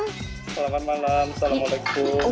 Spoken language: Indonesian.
selamat malam assalamualaikum